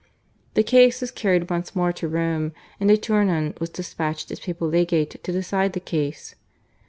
The case was carried once more to Rome, and de Tournon was despatched as papal legate to decide the case.